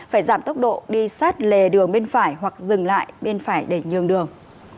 phải giảm tốc độ đi sát lề đường bên phải hoặc dừng lại bên phải để nhường đường